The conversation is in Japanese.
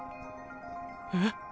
えっ？